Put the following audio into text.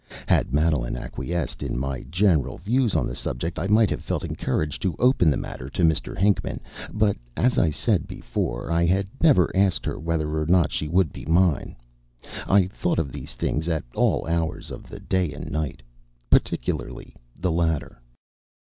Had Madeline acquiesced in my general views on the subject, I might have felt encouraged to open the matter to Mr. Hinckman; but, as I said before, I had never asked her whether or not she would be mine. I thought of these things at all hours of the day and night, particularly the latter.